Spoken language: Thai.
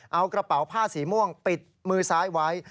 เอากระเป๋าผ้าสีม่วงปิดมือซ้ายไว้